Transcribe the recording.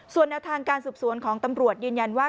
ส่วนแนวทางการสืบสวนของตำรวจยืนยันว่า